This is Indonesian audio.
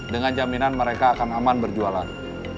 dengan jaminan mereka akan aman berjualan